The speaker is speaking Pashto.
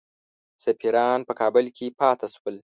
سفیران په کابل کې پاته شول.